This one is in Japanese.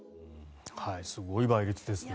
すごい倍率ですね。